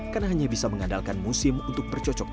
karena hanya bisa mengandalkan musim untuk bercocoknya